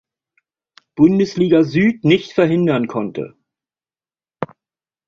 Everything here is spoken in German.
Bundesliga Süd nicht verhindern konnte.